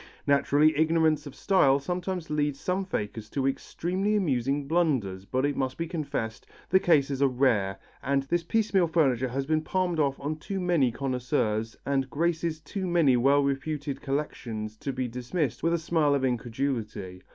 Naturally, ignorance of style sometimes leads some fakers to extremely amusing blunders, but it must be confessed the cases are rare, and this piecemeal furniture has been palmed off on too many connoisseurs, and graces too many well reputed collections to be dismissed with a smile of incredulity.